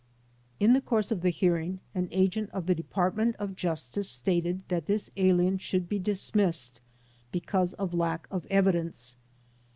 In the course of the hearing an agent of the Department of Justice stated that this alien should be dismissed because of lack of evidence.